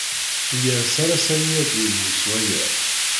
Ur yeɣs ara Sami ad d-yelhu s waya.